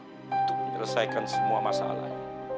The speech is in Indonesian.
untuk menyelesaikan semua masalah